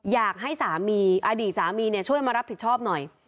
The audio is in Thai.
อยากให้สามีอดีตสามีช่วยมารับผิดชอบหน่อย